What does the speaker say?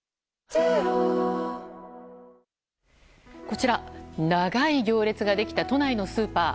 こちら、長い行列ができた都内のスーパー。